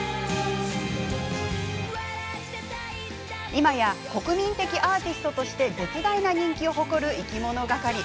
今や国民的アーティストとして絶大な人気を誇るいきものがかり。